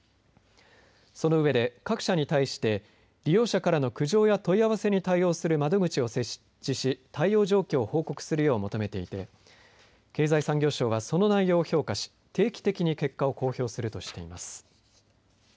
その上で各社に対して利用者からの苦情や問い合わせに対応する窓口を設置し対応状況を報告するよう求めていて経済産業省はその内容を評価し定期的に結果を公表するとしています。